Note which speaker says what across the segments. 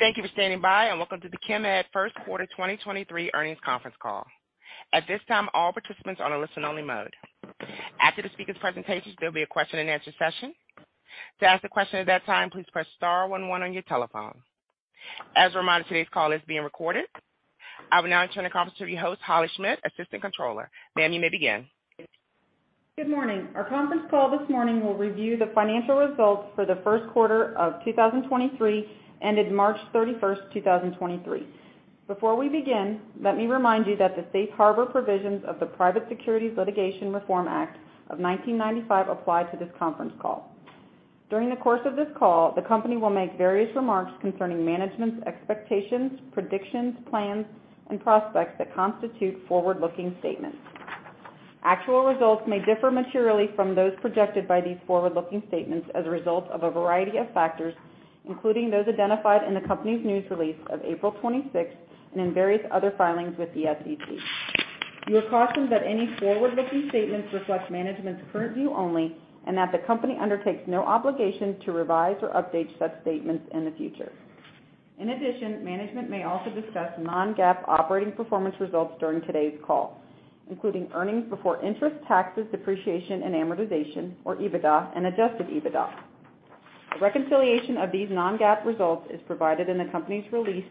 Speaker 1: Thank you for standing by, and welcome to the Chemed First Quarter 2023 Earnings Conference Call. At this time, all participants are in listen only mode. After the speaker's presentations, there'll be a question and answer session. To ask a question at that time, please press star one one on your telephone. As a reminder, today's call is being recorded. I will now turn the conference to your host, Holley Schmidt, Assistant Controller. Ma'am, you may begin.
Speaker 2: Good morning. Our conference call this morning will review the financial results for the first quarter of 2023, ended March 31st, 2023. Before we begin, let me remind you that the safe harbor provisions of the Private Securities Litigation Reform Act of 1995 apply to this conference call. During the course of this call, the company will make various remarks concerning management's expectations, predictions, plans, and prospects that constitute forward-looking statements. Actual results may differ materially from those projected by these forward-looking statements as a result of a variety of factors, including those identified in the company's news release of April 26th and in various other filings with the SEC. You are cautioned that any forward-looking statements reflect management's current view only and that the company undertakes no obligation to revise or update such statements in the future. In addition, management may also discuss non-GAAP operating performance results during today's call, including earnings before interest, taxes, depreciation, and amortization, or EBITDA and adjusted EBITDA. A reconciliation of these non-GAAP results is provided in the company's release,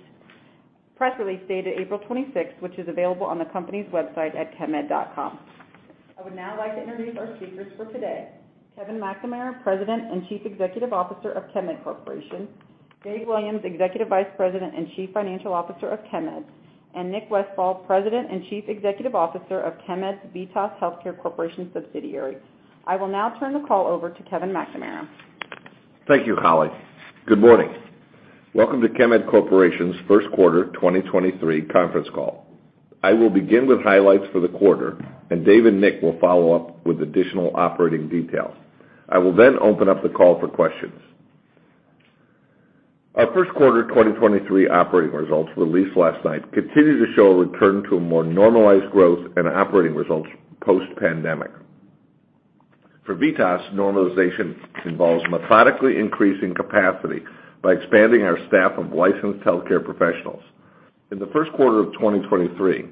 Speaker 2: press release dated April 26th, which is available on the company's website at chemed.com. I would now like to introduce our speakers for today, Kevin McNamara, President and Chief Executive Officer of Chemed Corporation, Dave Williams, Executive Vice President and Chief Financial Officer of Chemed, and Nick Westfall, President and Chief Executive Officer of Chemed's VITAS Healthcare Corporation subsidiary. I will now turn the call over to Kevin McNamara.
Speaker 3: Thank you, Holley. Good morning. Welcome to Chemed Corporation's first quarter 2023 conference call. I will begin with highlights for the quarter. Dave and Nick will follow up with additional operating details. I will open up the call for questions. Our first quarter 2023 operating results released last night continue to show a return to a more normalized growth and operating results post-pandemic. For VITAS, normalization involves methodically increasing capacity by expanding our staff of licensed healthcare professionals. In the first quarter of 2023,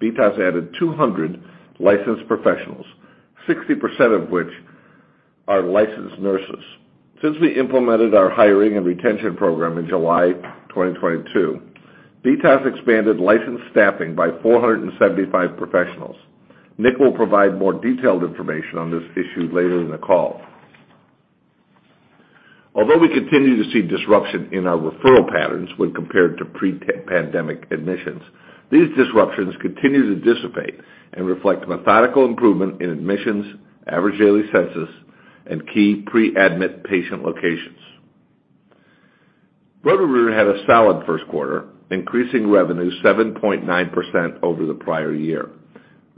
Speaker 3: VITAS added 200 licensed professionals, 60% of which are licensed nurses. Since we implemented our hiring and retention program in July 2022, VITAS expanded licensed staffing by 475 professionals. Nick will provide more detailed information on this issue later in the call. Although we continue to see disruption in our referral patterns when compared to pre-pandemic admissions, these disruptions continue to dissipate and reflect methodical improvement in admissions, average daily census, and key pre-admit patient locations. Roto-Rooter had a solid first quarter, increasing revenue 7.9% over the prior year.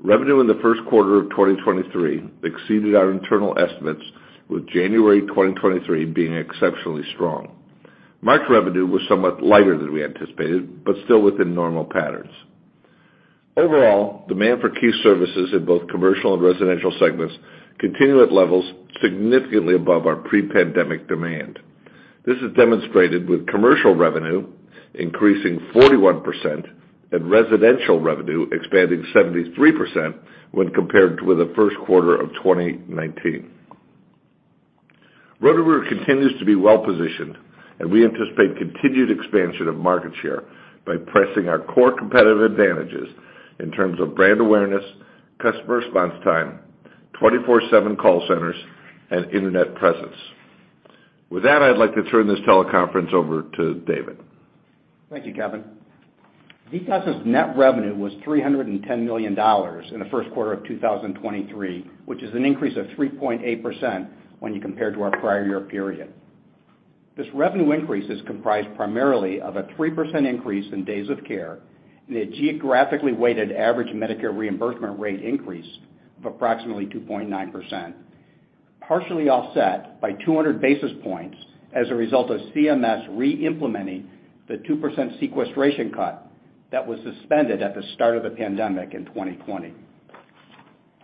Speaker 3: Revenue in the first quarter of 2023 exceeded our internal estimates, with January 2023 being exceptionally strong. March revenue was somewhat lighter than we anticipated, but still within normal patterns. Overall, demand for key services in both commercial and residential segments continue at levels significantly above our pre-pandemic demand. This is demonstrated with commercial revenue increasing 41% and residential revenue expanding 73% when compared with the first quarter of 2019. Roto-Rooter continues to be well-positioned, and we anticipate continued expansion of market share by pressing our core competitive advantages in terms of brand awareness, customer response time, 24/7 call centers, and internet presence. With that, I'd like to turn this teleconference over to David.
Speaker 4: Thank you, Kevin. VITAS's net revenue was $310 million in the first quarter of 2023, which is an increase of 3.8% when you compare to our prior year period. This revenue increase is comprised primarily of a 3% increase in days-of-care and a geographically weighted average Medicare reimbursement rate increase of approximately 2.9%, partially offset by 200 basis points as a result of CMS re-implementing the 2% sequestration cut that was suspended at the start of the pandemic in 2020.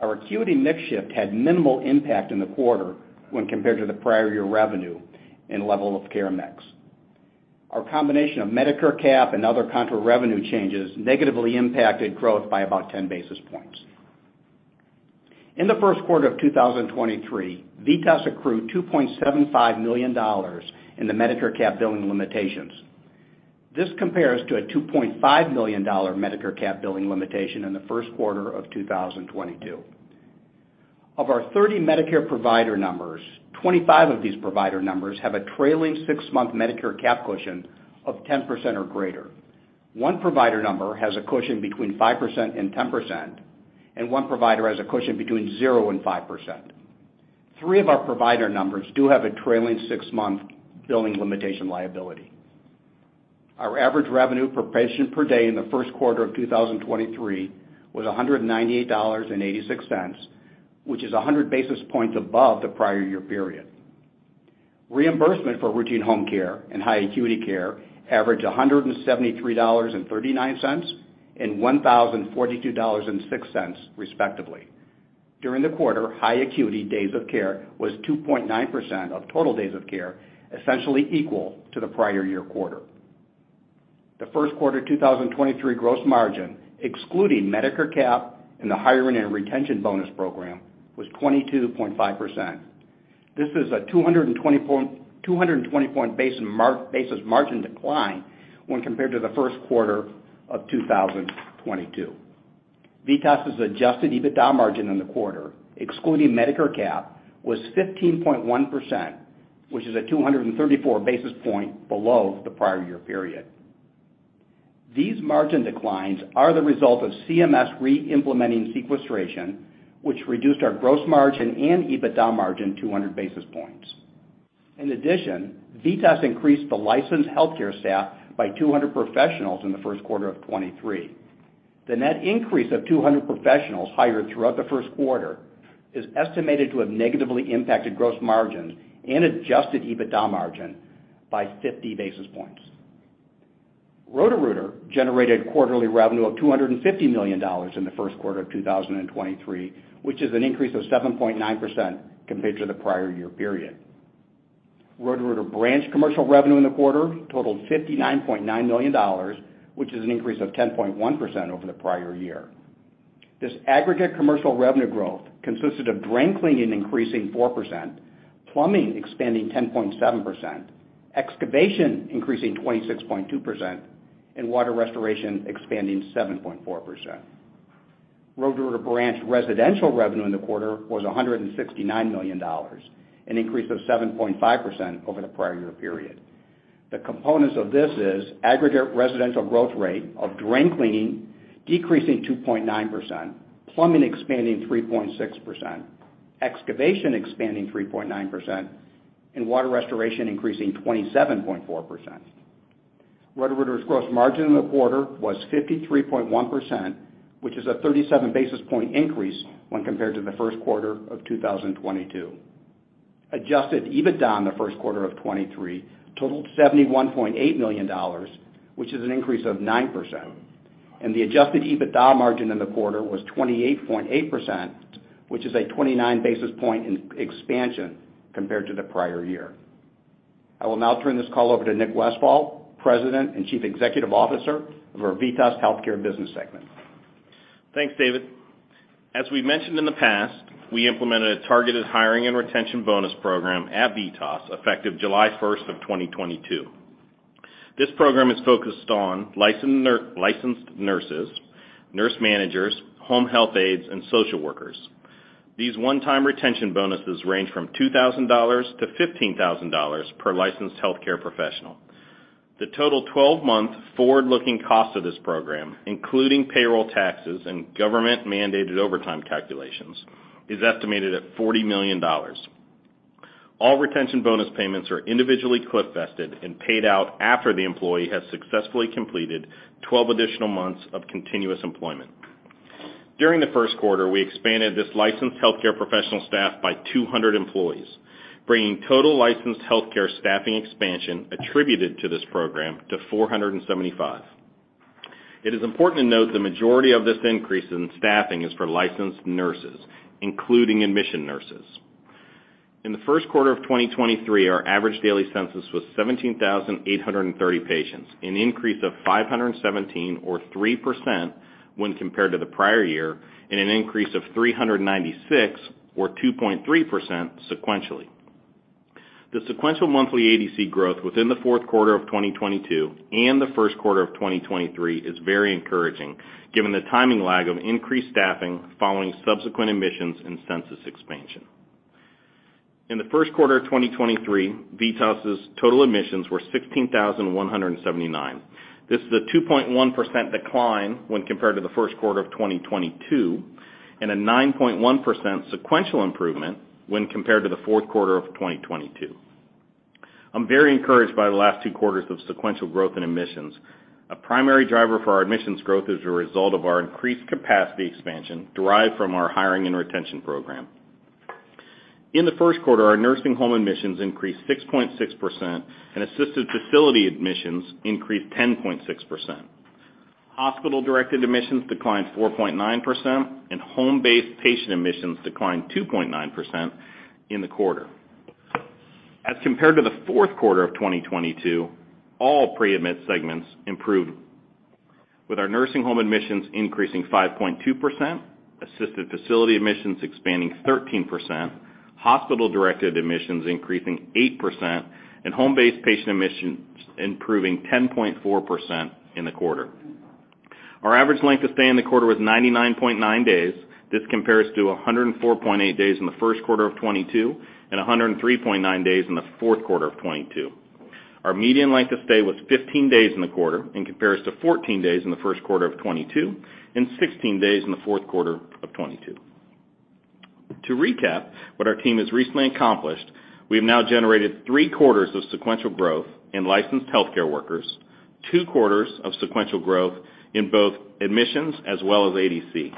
Speaker 4: Our acuity mix shift had minimal impact in the quarter when compared to the prior year revenue and level of care mix. Our combination of Medicare cap and other contra revenue changes negatively impacted growth by about 10 basis points. In the first quarter of 2023, VITAS accrued $2.75 million in the Medicare Cap billing limitation. This compares to a $2.5 million Medicare Cap billing limitation in the first quarter of 2022. Of our 30 Medicare provider numbers, 25 of these provider numbers have a trailing six-month Medicare cap cushion of 10% or greater. One provider number has a cushion between 5% and 10%, and one provider has a cushion between 0% and 5%. Three of our provider numbers do have a trailing six-month billing limitation liability. Our average revenue per patient per day in the first quarter of 2023 was $198.86, which is 100 basis points above the prior year period. Reimbursement for routine home care and high acuity care averaged $173.39 and $1,042.06, respectively. During the quarter, high acuity days-of-care was 2.9% of total days-of-care, essentially equal to the prior year quarter. The first quarter 2023 gross margin, excluding Medicare cap and the hiring and retention bonus program, was 22.5%. This is a 220 basis point margin decline when compared to the first quarter of 2022. VITAS' adjusted EBITDA margin in the quarter, excluding Medicare cap, was 15.1%, which is a 234 basis point below the prior year period. These margin declines are the result of CMS reimplementing sequestration, which reduced our gross margin and EBITDA margin 200 basis points. In addition, VITAS increased the licensed healthcare staff by 200 professionals in the first quarter of 2023. The net increase of 200 professionals hired throughout the first quarter is estimated to have negatively impacted gross margins and adjusted EBITDA margin by 50 basis points. Roto-Rooter generated quarterly revenue of $250 million in the first quarter of 2023, which is an increase of 7.9% compared to the prior year period. Roto-Rooter branch commercial revenue in the quarter totaled $59.9 million, which is an increase of 10.1% over the prior year. This aggregate commercial revenue growth consisted of drain cleaning increasing 4%, plumbing expanding 10.7%, excavation increasing 26.2%, and water restoration expanding 7.4%. Roto-Rooter branch residential revenue in the quarter was $169 million, an increase of 7.5% over the prior year period. The components of this is aggregate residential growth rate of drain cleaning decreasing 2.9%, plumbing expanding 3.6%, excavation expanding 3.9%, and water restoration increasing 27.4%. Roto-Rooter's gross margin in the quarter was 53.1%, which is a 37 basis point increase when compared to the first quarter of 2022. Adjusted EBITDA in the first quarter of 2023 totaled $71.8 million, which is an increase of 9%, and the adjusted EBITDA margin in the quarter was 28.8%, which is a 29 basis point in-expansion compared to the prior year. I will now turn this call over to Nick Westfall, President and Chief Executive Officer of our VITAS Healthcare business segment.
Speaker 5: Thanks, David. As we mentioned in the past, we implemented a targeted hiring and retention bonus program at VITAS effective July 1st, 2022. This program is focused on licensed nurses, nurse managers, home health aides, and social workers. These one-time retention bonuses range from $2,000-$15,000 per licensed healthcare professional. The total 12-month forward-looking cost of this program, including payroll taxes and government-mandated overtime calculations, is estimated at $40 million. All retention bonus payments are individually cliff vested and paid out after the employee has successfully completed 12 additional months of continuous employment. During the first quarter, we expanded this licensed healthcare professional staff by 200 employees, bringing total licensed healthcare staffing expansion attributed to this program to 475. It is important to note the majority of this increase in staffing is for licensed nurses, including admission nurses. In the first quarter of 2023, our average daily census was 17,830 patients, an increase of 517 or 3% when compared to the prior year and an increase of 396 or 2.3% sequentially. The sequential monthly ADC growth within the fourth quarter of 2022 and the first quarter of 2023 is very encouraging given the timing lag of increased staffing following subsequent admissions and census expansion. In the first quarter of 2023, VITAS' total admissions were 16,179. This is a 2.1% decline when compared to the first quarter of 2022 and a 9.1% sequential improvement when compared to the fourth quarter of 2022. I'm very encouraged by the last two quarters of sequential growth in admissions. A primary driver for our admissions growth is a result of our increased capacity expansion derived from our hiring and retention program. In the first quarter, our nursing home admissions increased 6.6%, and assisted facility admissions increased 10.6%. Hospital-directed admissions declined 4.9%, and home-based patient admissions declined 2.9% in the quarter. As compared to the fourth quarter of 2022, all pre-admit segments improved, with our nursing home admissions increasing 5.2%, assisted facility admissions expanding 13%, hospital-directed admissions increasing 8%, and home-based patient admissions improving 10.4% in the quarter. Our average length of stay in the quarter was 99.9 days. This compares to 104.8 days in the first quarter of 2022 and 103.9 days in the fourth quarter of 2022. Our median length of stay was 15 days in the quarter and compares to 14 days in the first quarter of 2022 and 16 days in the fourth quarter of 2022. To recap what our team has recently accomplished, we have now generated three quarters of sequential growth in licensed healthcare workers, two quarters of sequential growth in both admissions as well as ADC.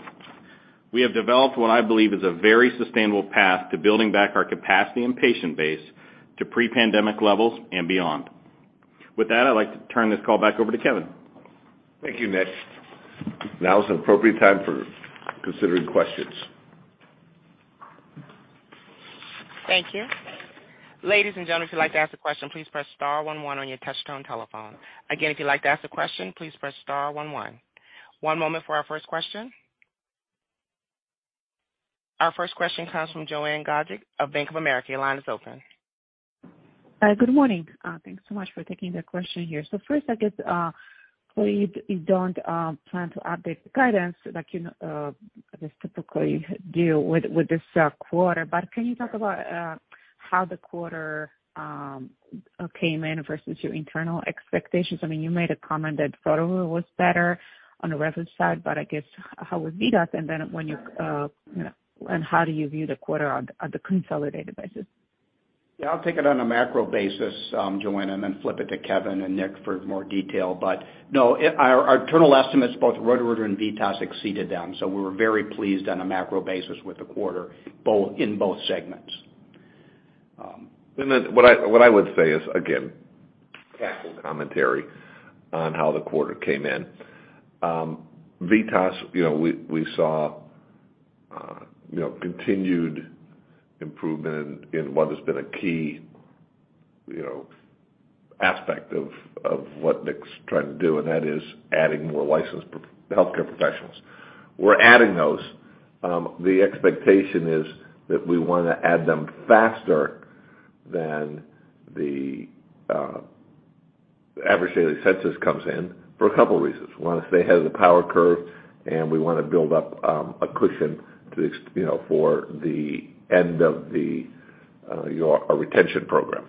Speaker 5: We have developed what I believe is a very sustainable path to building back our capacity and patient base to pre-pandemic levels and beyond. With that, I'd like to turn this call back over to Kevin.
Speaker 3: Thank you, Nick. Now is an appropriate time for considering questions.
Speaker 1: Thank you. Ladies and gentlemen, if you'd like to ask a question, please press star one one on your touchtone telephone. Again, if you'd like to ask a question, please press star one one. One moment for our first question. Our first question comes from Joanna Gajuk of Bank of America. Your line is open.
Speaker 6: Good morning. Thanks so much for taking the question here. First, I guess, please, you don't plan to update the guidance like you, I guess, typically do with this quarter. Can you talk about how the quarter came in versus your internal expectations? I mean, you made a comment that Roto-Rooter was better on the revenue side, but I guess how was VITAS? Then when you know, and how do you view the quarter on the consolidated basis?
Speaker 4: Yeah, I'll take it on a macro basis, Joanna, and then flip it to Kevin and Nick for more detail. No, our internal estimates, both Roto-Rooter and VITAS exceeded them. We were very pleased on a macro basis with the quarter, in both segments.
Speaker 3: What I would say is, again, capital commentary on how the quarter came in. VITAS, you know, we saw, you know, continued improvement in what has been a key, you know, aspect of what Nick's trying to do, and that is adding more licensed healthcare professionals. We're adding those. The expectation is that we wanna add them faster than the average daily census comes in for a couple reasons. We wanna stay ahead of the power curve, and we wanna build up a cushion to you know, for the end of the your retention program.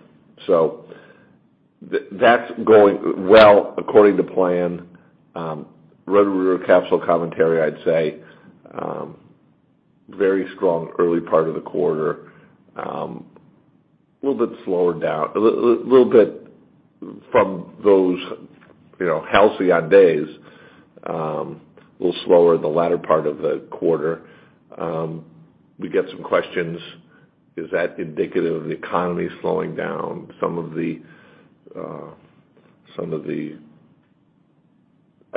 Speaker 3: That's going well according to plan. Roto-Rooter capital commentary, I'd say, very strong early part of the quarter. A little bit slower down, a little bit from those, you know, halcyon days. A little slower the latter part of the quarter. We get some questions. Is that indicative of the economy slowing down? Some of the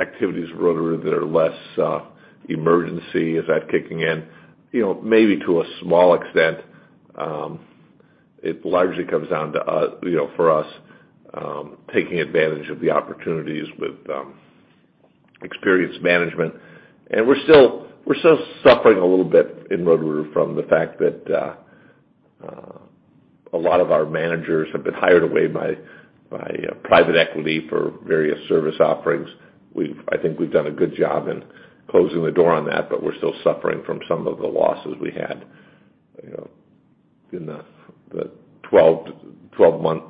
Speaker 3: activities of Roto-Rooter that are less emergency. Is that kicking in? You know, maybe to a small extent. It largely comes down to us, you know, for us, taking advantage of the opportunities with experience management. We're still suffering a little bit in Roto-Rooter from the fact that a lot of our managers have been hired away by private equity for various service offerings. We've I think we've done a good job in closing the door on that, but we're still suffering from some of the losses we had, you know, in the 12-month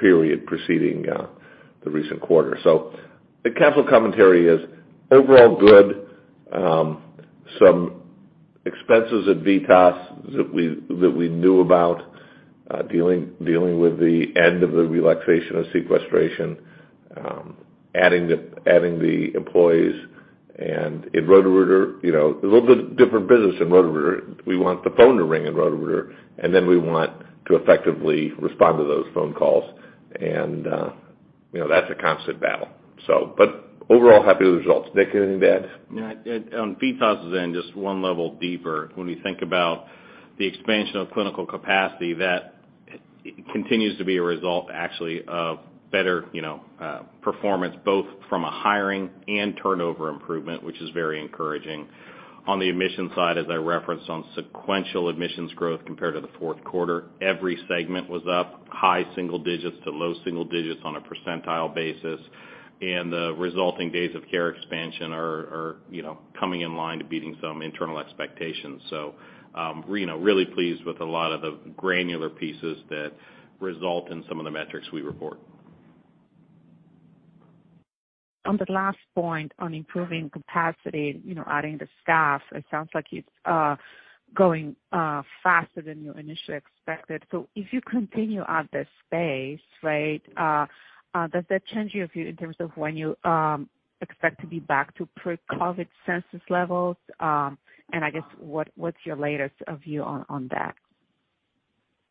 Speaker 3: period preceding the recent quarter. The capital commentary is overall good. Some expenses at VITAS that we knew about, dealing with the end of the relaxation of sequestration, adding the employees. In Roto-Rooter, you know, a little bit different business in Roto-Rooter. We want the phone to ring in Roto-Rooter, and then we want to effectively respond to those phone calls. You know, that's a constant battle, so. Overall, happy with the r``esults. Nick, anything to add?
Speaker 5: Yeah. On VITAS, just one level deeper. When we think about the expansion of clinical capacity, that continues to be a result actually of better, you know, performance both from a hiring and turnover improvement, which is very encouraging. On the admission side, as I referenced on sequential admissions growth compared to the fourth quarter, every segment was up high single digits to low single digits on a percentile basis. The resulting days-of-care expansion are, you know, coming in line to beating some internal expectations. Really pleased with a lot of the granular pieces that result in some of the metrics we report.
Speaker 6: On the last point on improving capacity, you know, adding the staff, it sounds like it's going faster than you initially expected. If you continue at this pace, right, does that change your view in terms of when you expect to be back to pre-COVID census levels? I guess what's your latest view on that?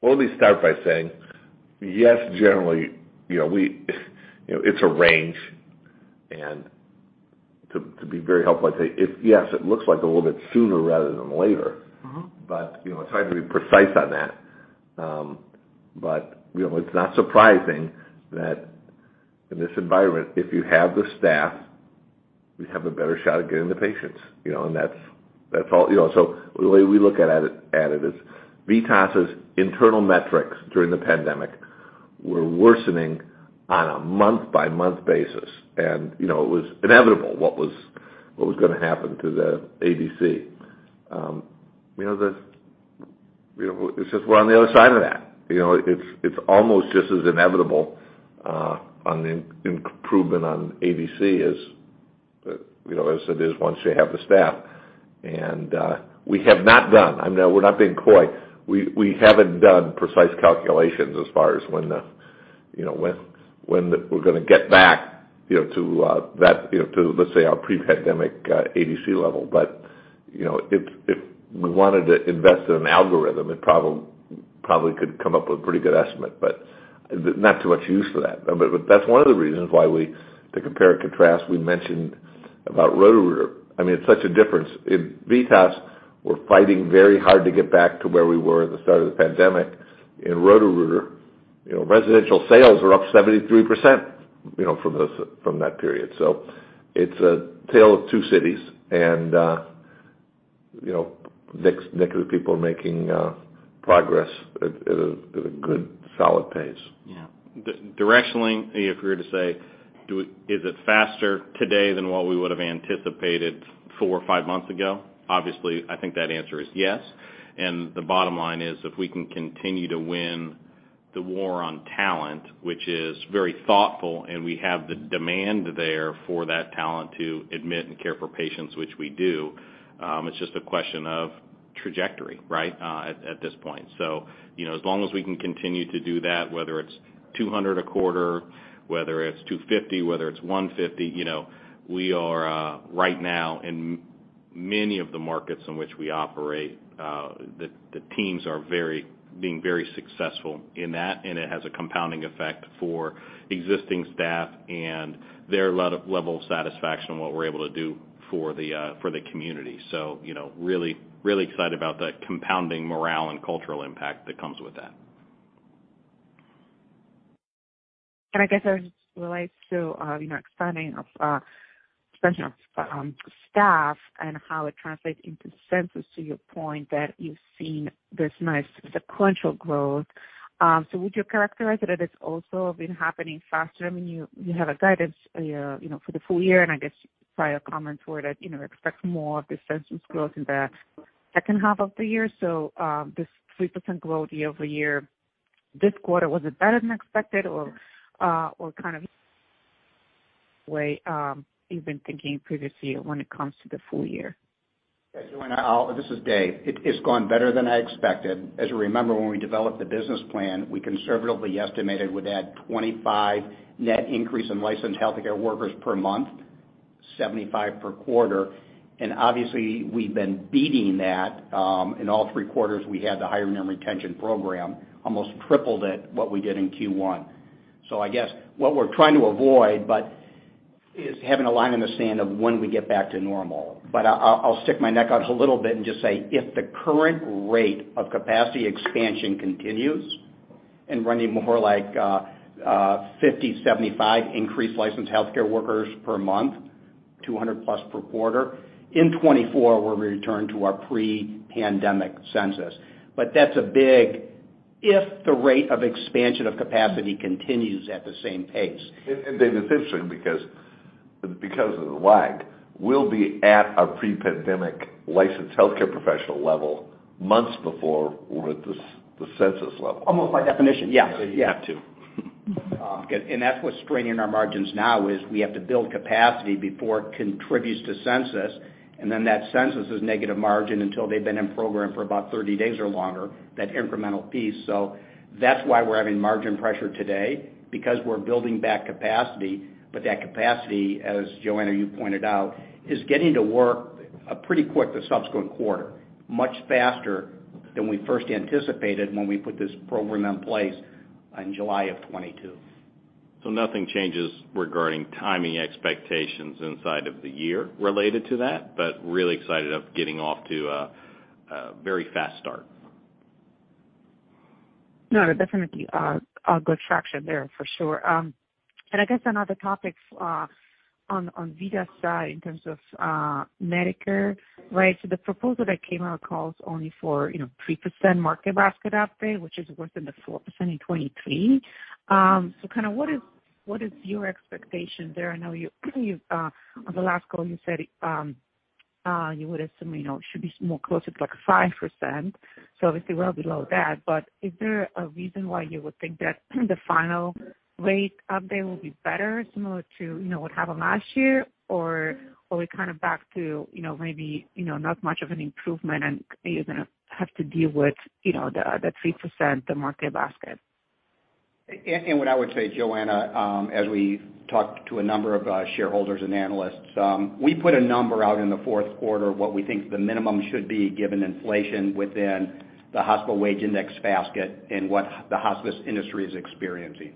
Speaker 3: Well, let me start by saying yes, generally, you know, You know, it's a range. To be very helpful, I'd say it's yes, it looks like a little bit sooner rather than later.
Speaker 6: Mm-hmm.
Speaker 3: You know, it's hard to be precise on that. You know, it's not surprising that in this environment, if you have the staff, we have a better shot of getting the patients, you know? That's all, you know. The way we look at it is VITAS' internal metrics during the pandemic were worsening on a month-by-month basis. You know, it was inevitable what was gonna happen to the ADC. You know, it's just we're on the other side of that. You know? It's almost just as inevitable on the improvement on ADC as it is once you have the staff. We have not done I mean, we're not being coy. We, we haven't done precise calculations as far as when the, you know, we're gonna get back, you know, to, let's say our pre-pandemic ADC level. You know, if we wanted to invest in an algorithm, it probably could come up with a pretty good estimate, but not too much use for that. That's one of the reasons why to compare and contrast, we mentioned about Roto-Rooter. I mean, it's such a difference. In VITAS, we're fighting very hard to get back to where we were at the start of the pandemic. In Roto-Rooter, you know, residential sales are up 73%, you know, from that period. It's a tale of two cities. You know, Nick and the people are making progress at a good solid pace.
Speaker 5: Yeah. Directionally, if we were to say, is it faster today than what we would've anticipated four or five months ago? Obviously, I think that answer is yes. The bottom line is, if we can continue to win the war on talent, which is very thoughtful, and we have the demand there for that talent to admit and care for patients, which we do, it's just a question of trajectory, right, at this point. You know, as long as we can continue to do that, whether it's 200 a quarter, whether it's 250, whether it's 150, you know, we are right now in many of the markets in which we operate, the teams are being very successful in that, and it has a compounding effect for existing staff and their level of satisfaction, what we're able to do for the community. You know, really, really excited about the compounding morale and cultural impact that comes with that.
Speaker 6: I guess as it relates to, you know, expanding of, expansion of, staff and how it translates into census, to your point that you've seen this nice sequential growth, would you characterize it that it's also been happening faster? I mean, you have a guidance, you know, for the full year, and I guess probably a comment for that, you know, expect more of the census growth in the second half of the year. This 3% growth year-over-year, this quarter, was it better than expected or kind of way, you've been thinking previously when it comes to the full year?
Speaker 4: This is Dave. It's gone better than I expected. As you remember, when we developed the business plan, we conservatively estimated we'd add 25 net increase in licensed healthcare workers per month, 75 per quarter. Obviously, we've been beating that, in all three quarters we had the hire member retention program. Almost tripled it, what we did in Q1. I guess what we're trying to avoid, but is having a line in the sand of when we get back to normal. I'll stick my neck out a little bit and just say, if the current rate of capacity expansion continues and running more like 50, 75 increased licensed healthcare workers per month, 200+ per quarter, in 2024, we'll return to our pre-pandemic census. That's a big, if the rate of expansion of capacity continues at the same pace.
Speaker 3: Dave, it's interesting because of the`` lag, we'll be at a pre-pandemic licensed healthcare professional level months before we're at the census level.
Speaker 4: Almost by definition. Yes. Yeah.
Speaker 3: You have to.
Speaker 4: That's what's straining our margins now is we have to build capacity before it contributes to census, and then that census is negative margin until they've been in program for about 30 days or longer, that incremental piece. That's why we're having margin pressure today, because we're building back capacity. That capacity, as Joanna, you pointed out, is getting to work pretty quick the subsequent quarter, much faster than we first anticipated when we put this program in place in July of 2022.
Speaker 5: Nothing changes regarding timing expectations inside of the year related to that, but really excited of getting off to a very fast start.
Speaker 6: No, definitely a good traction there for sure. I guess another topic on VITAS side in terms of Medicare, right? The proposal that came out calls only for, you know, 3% market basket update, which is worse than the 4% in 2023. Kinda what is your expectation there? I know you, on the last call you said, you would assume, you know, it should be more closer to like a 5%, so obviously well below that. Is there a reason why you would think that the final rate update will be better similar to, you know, what happened last year or are we kinda back to, you know, maybe, you know, not much of an improvement and you're gonna have to deal with, you know, the 3%, the market basket?
Speaker 4: What I would say, Joanna, as we've talked to a number of shareholders and analysts, we put a number out in the fourth quarter, what we think the minimum should be given inflation within the inpatient hospital market basket and what the hospice industry is experiencing.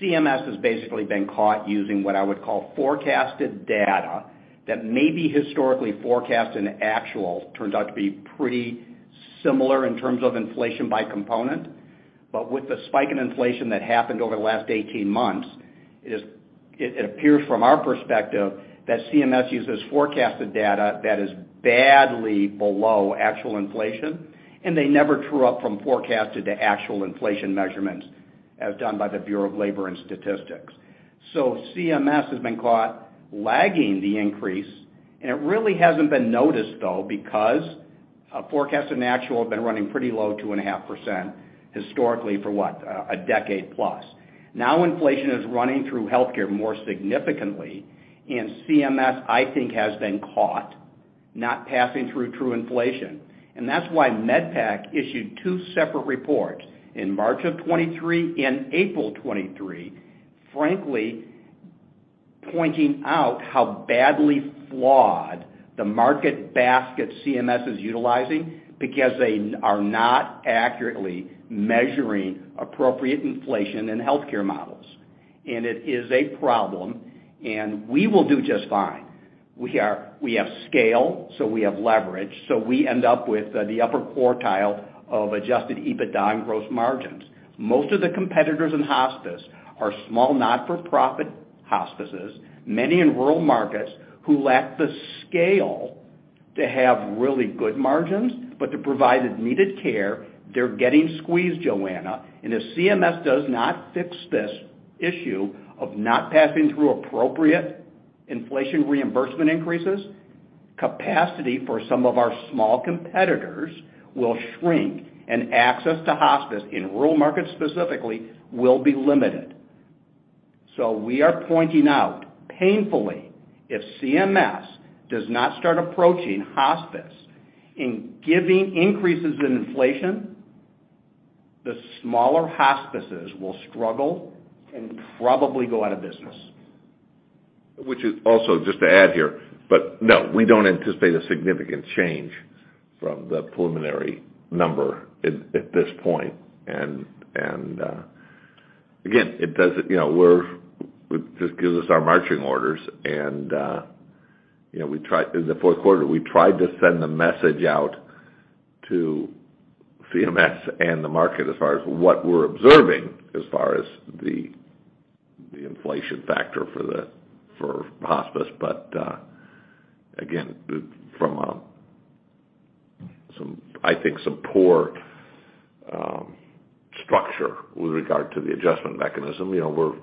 Speaker 4: CMS has basically been caught using what I would call forecasted data that may be historically forecast and actual, turns out to be pretty similar in terms of inflation by component. But with the spike in inflation that happened over the last 18 months, it appears from our perspective that CMS uses forecasted data that is badly below actual inflation, and they never true up from forecasted to actual inflation measurements as done by the Bureau of Labor Statistics. CMS has been caught lagging the increase, and it really hasn't been noticed though because forecasted and actual have been running pretty low 2.5% historically for what? A decade plus. Now, inflation is running through healthcare more significantly, and CMS, I think, has been caught not passing through true inflation. That's why MedPAC issued two separate reports in March of 2023 and April 2023. Frankly, pointing out how badly flawed the market basket CMS is utilizing because they are not accurately measuring appropriate inflation in healthcare models. It is a problem, and we will do just fine. We have scale, so we have leverage. We end up with the upper quartile of adjusted EBITDA and gross margins. Most of the competitors in hospice are small, not-for-profit hospices, many in rural markets, who lack the scale to have really good margins, but to provide the needed care, they're getting squeezed, Joanna. If CMS does not fix this issue of not passing through appropriate inflation reimbursement increases, capacity for some of our small competitors will shrink and access to hospice in rural markets specifically will be limited. We are pointing out painfully, if CMS does not start approaching hospice in giving increases in inflation, the smaller hospices will struggle and probably go out of business.
Speaker 3: Which is also just to add here, but no, we don't anticipate a significant change from the preliminary number at this point. Again, it does, you know, It just gives us our marching orders and, you know, In the fourth quarter, we tried to send the message out to CMS and the market as far as what we're observing as far as the inflation factor for the hospice. Again, from some I think some poor structure with regard to the adjustment mechanism. You know,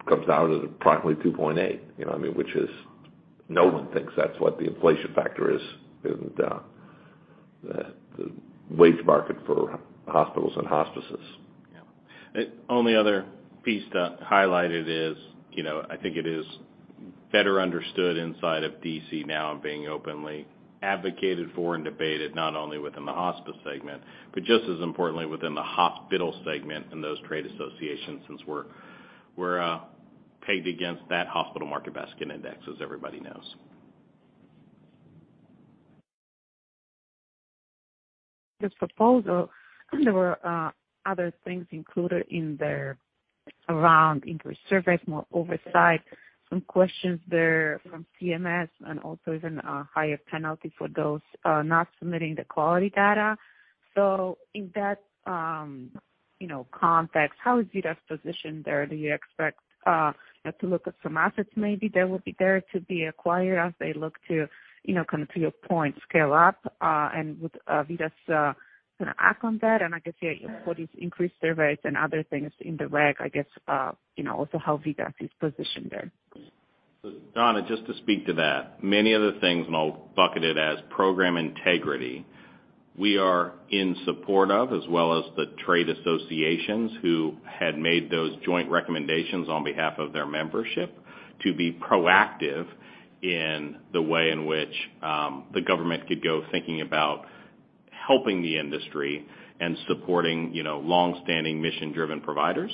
Speaker 3: It comes out as approximately 2.8%, you know, I mean, which is no one thinks that's what the inflation factor is in the wage market for hospitals and hospices.
Speaker 5: Yeah. Only other piece to highlight it is, you know, I think it is better understood inside of D.C. now being openly advocated for and debated not only within the hospice segment, but just as importantly within the hospital segment and those trade associations, since we're pegged against that Hospital Market Basket Index, as everybody knows.
Speaker 6: This proposal, I think there were, other things included in there around increased surveys, more oversight, some questions there from CMS and also even a higher penalty for those, not submitting the quality data. In that, you know, context, how is VITAS positioned there? Do you expect, to look at some assets maybe that will be there to be acquired as they look to, you know, come to your point, scale up, and would, VITAS, kinda act on that? I guess, yeah, for these increased surveys and other things in the rec, I guess, you know, also how VITAS is positioned there?
Speaker 5: Joanna, just to speak to that, many of the things, and I'll bucket it as program integrity, we are in support of as well as the trade associations who had made those joint recommendations on behalf of their membership to be proactive in the way in which the government could go thinking about helping the industry and supporting, you know, long-standing mission-driven providers.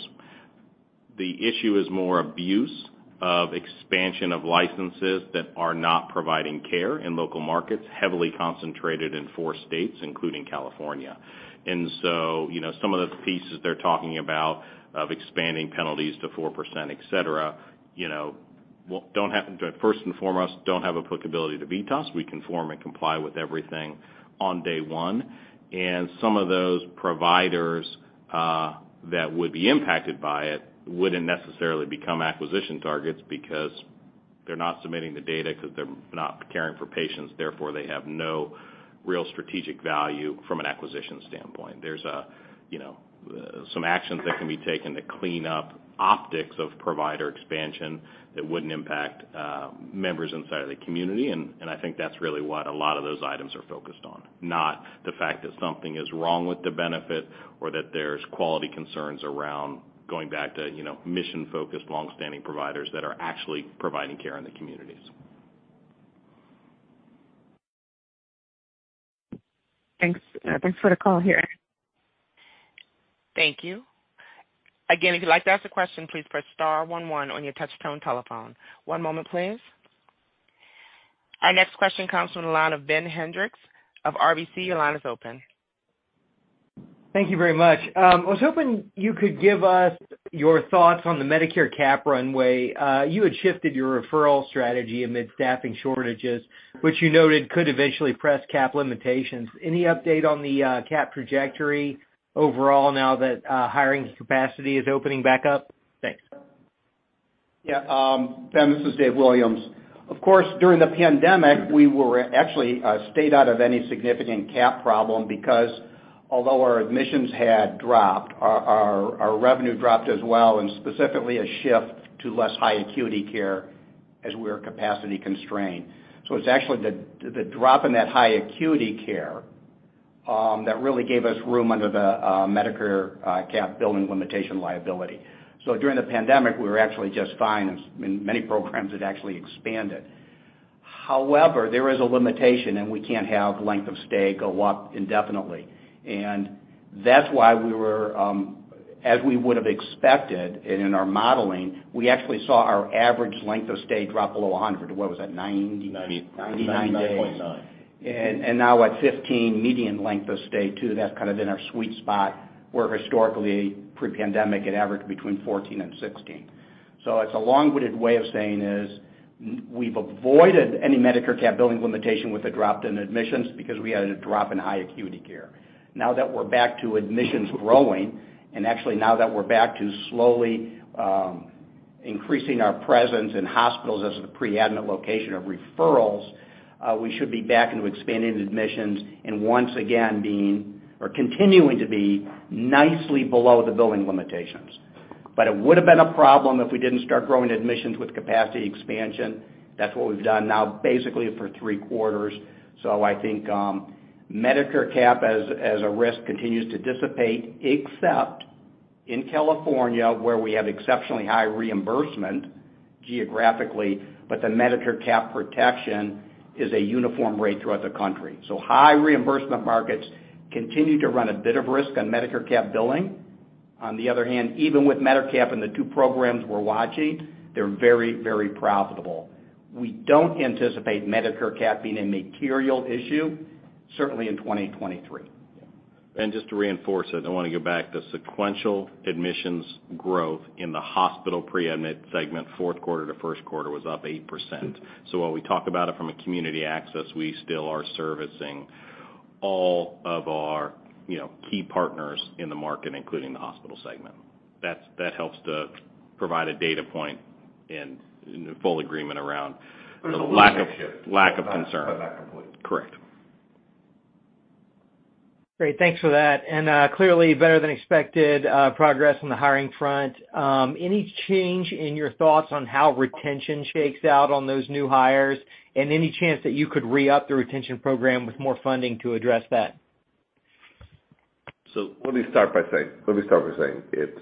Speaker 5: The issue is more abuse of expansion of licenses that are not providing care in local markets, heavily concentrated in four states, including California. You know, some of the pieces they're talking about of expanding penalties to 4%, et cetera, you know, First and foremost, don't have applicability to VITAS. We conform and comply with everything on day 1. Some of those providers, that would be impacted by it wouldn't necessarily become acquisition targets because they're not submitting the data because they're not caring for patients, therefore, they have no real strategic value from an acquisition standpoint. There's a, you know, some actions that can be taken to clean up optics of provider expansion that wouldn't impact members inside of the community, and I think that's really what a lot of those items are focused on, not the fact that something is wrong with the benefit or that there's quality concerns around going back to, you know, mission-focused, long-standing providers that are actually providing care in the communities.
Speaker 6: Thanks. Thanks for the call here.
Speaker 1: Thank you. Again, if you'd like to ask a question, please press star one one on your touch tone telephone. One moment, please. Our next question comes from the line of Ben Hendrix of RBC. Your line is open.
Speaker 7: Thank you very much. I was hoping you could give us your thoughts on the Medicare cap runway. You had shifted your referral strategy amid staffing shortages, which you noted could eventually press cap limitations. Any update on the cap trajectory overall now that hiring capacity is opening back up? Thanks.
Speaker 4: Yeah. Ben, this is Dave Williams. Of course, during the pandemic, we were actually stayed out of any significant cap problem because although our admissions had dropped, our revenue dropped as well, and specifically a shift to less high acuity care as we were capacity constrained. It's actually the drop in that high acuity care that really gave us room under the Medicare Cap billing limitation liability. During the pandemic, we were actually just fine. Many programs had actually expanded. However, there is a limitation, and we can't have length of stay go up indefinitely. That's why we were, as we would have expected and in our modeling, we actually saw our average length of stay drop below 100. What was that, ninety-?
Speaker 5: Ninety.
Speaker 4: 99 days.
Speaker 5: 99.9.
Speaker 4: Now at 15 median length of stay too, that's kind of in our sweet spot, where historically pre-pandemic it averaged between 14 and 16. It's a long-winded way of saying is we've avoided any Medicare Cap billing limitation with a drop in admissions because we had a drop in high acuity care. Now that we're back to admissions growing, and actually now that we're back to slowly increasing our presence in hospitals as the pre-admit location of referrals, we should be back into expanding admissions and once again being or continuing to be nicely below the billing limitations. It would have been a problem if we didn't start growing admissions with capacity expansion. That's what we've done now basically for three quarters. I think Medicare cap as a risk continues to dissipate, except in California, where we have exceptionally high reimbursement geographically, but the Medicare cap protection is a uniform rate throughout the country. High reimbursement markets continue to run a bit of risk on Medicare cap billing. On the other hand, even with Medicare Cap and the two programs we're watching, they're very, very profitable. We don't anticipate Medicare cap being a material issue, certainly in 2023.
Speaker 5: Just to reinforce it, I want to go back to sequential admissions growth in the hospital pre-admit segment. Fourth quarter to first quarter was up 8%. While we talk about it from a community access, we still are servicing all of our, you know, key partners in the market, including the hospital segment. That helps to provide a data point in full agreement around the lack of concern.
Speaker 4: Not complete.
Speaker 5: Correct.
Speaker 7: Great. Thanks for that. clearly better than expected, progress on the hiring front. any change in your thoughts on how retention shakes out on those new hires? any chance that you could re-up the retention program with more funding to address that?
Speaker 3: Let me start by saying it's,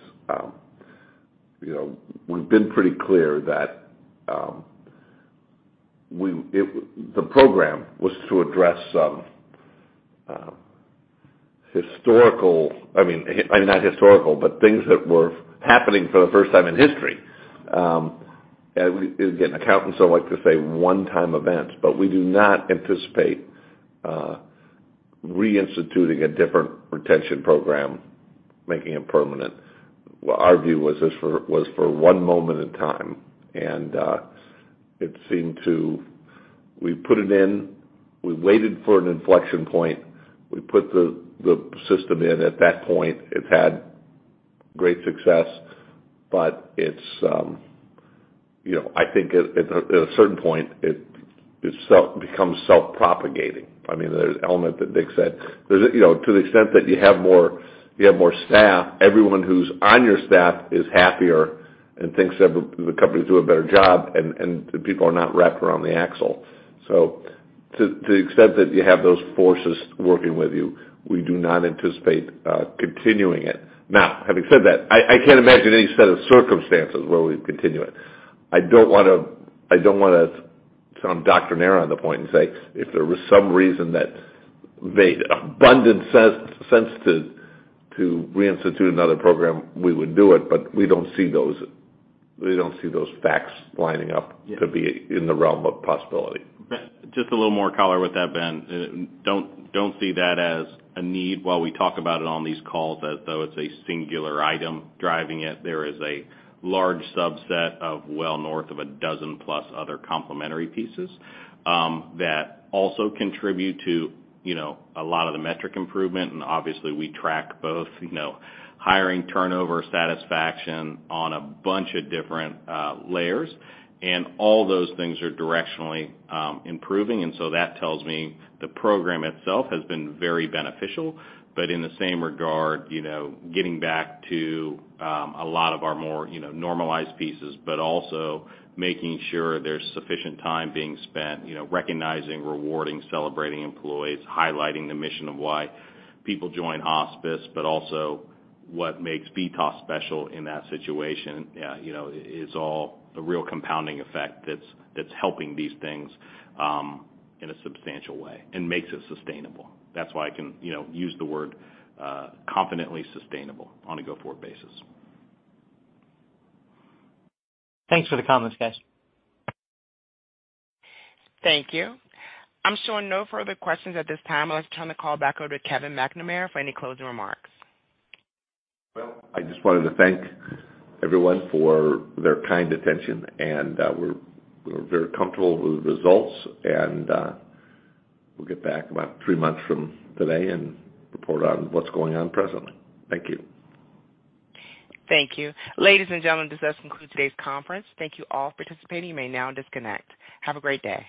Speaker 3: you know, we've been pretty clear that the program was to address some historical I mean, not historical, but things that were happening for the first time in history. Again, accountants don't like to say one-time events, but we do not anticipate reinstituting a different retention program, making it permanent. Our view was this was for one moment in time. We put it in, we waited for an inflection point. We put the system in at that point. It's had great success, but it's, you know, I think at a certain point, it becomes self-propagating. I mean, there's element that Nick said. There's a, you know, to the extent that you have more, you have more staff, everyone who's on your staff is happier and thinks that the company's doing a better job and the people are not wrapped around the axle. To the extent that you have those forces working with you, we do not anticipate continuing it. Having said that, I can't imagine any set of circumstances where we'd continue it. I don't wanna sound doctrinaire on the point and say, if there was some reason that made abundant sense to reinstitute another program, we would do it, but we don't see those facts lining up to be in the realm of possibility.
Speaker 5: Just a little more color with that, Ben. Don't see that as a need while we talk about it on these calls as though it's a singular item driving it. There is a large subset of well north of a 12 plus other complementary pieces, that also contribute to, you know, a lot of the metric improvement. Obviously we track both, you know, hiring turnover satisfaction on a bunch of different layers. All those things are directionally improving. That tells me the program itself has been very beneficial. In the same regard, you know, getting back to a lot of our more, you know, normalized pieces, but also making sure there's sufficient time being spent, you know, recognizing, rewarding, celebrating employees, highlighting the mission of why people join hospice, but also what makes VITAS special in that situation. You know, it's all a real compounding effect that's helping these things, in a substantial way and makes it sustainable. That's why I can, you know, use the word, confidently sustainable on a go-forward basis.
Speaker 7: Thanks for the comments, guys.
Speaker 1: Thank you. I'm showing no further questions at this time. I'd like to turn the call back over to Kevin McNamara for any closing remarks.
Speaker 3: Well, I just wanted to thank everyone for their kind attention, and, we're very comfortable with the results and, we'll get back about three months from today and report on what's going on presently. Thank you.
Speaker 1: Thank you. Ladies and gentlemen, this does conclude today's conference. Thank you all for participating. You may now disconnect. Have a great day.